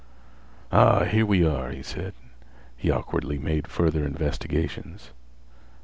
"Ah, here we are!" he said. He awkwardly made further investigations.